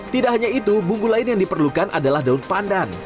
tidak hanya itu bumbu lain yang diperlukan adalah daun pandan